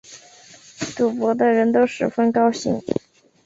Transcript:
赌博的人都十分高兴